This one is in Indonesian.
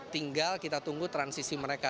tinggal kita tunggu transisi mereka